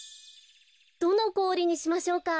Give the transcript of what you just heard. どのこおりにしましょうか。